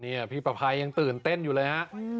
นี่พี่ประภัยยังตื่นเต้นอยู่เลยฮะ